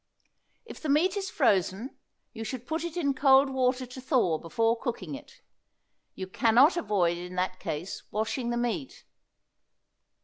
If the meat is frozen you should put it in cold water to thaw before cooking it; you can not avoid in that case washing the meat.